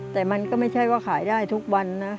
แต่มันก็ไม่ใช่ว่าขายได้ทุกวันนะ